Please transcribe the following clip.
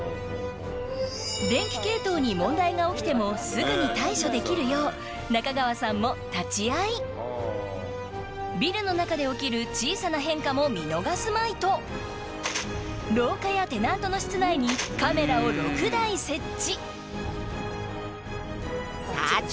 電気系統に問題が起きてもすぐに対処できるようビルの中で起きる小さな変化も見逃すまいと廊下やテナントの室内にカメラを６台設置さあ準備は万端！